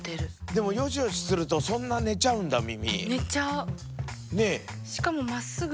でもよしよしするとそんな寝ちゃうんだ耳。